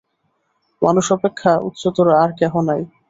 মানুষ অপেক্ষা উচ্চতর আর কেহ নাই।